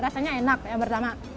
rasanya enak yang pertama